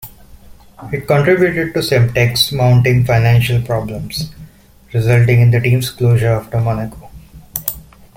It contributed to Simtek's mounting financial problems, resulting in the team's closure after Monaco.